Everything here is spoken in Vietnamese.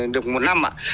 được một năm